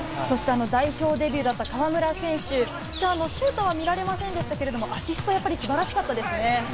代表デビューだった河村選手、シュートは見られませんでしたけれども、アシストは素晴らしかったですね。